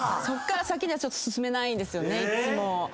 そっから先にはちょっと進めないんですよねいつも。